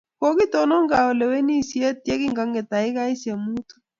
Kokitonon kawelisyet ye kingang'et takigaisyek muutu.